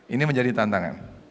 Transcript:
ini menjadi tantangan